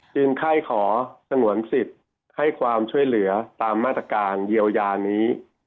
ไข้ขอสงวนสิทธิ์ให้ความช่วยเหลือตามมาตรการเยียวยานี้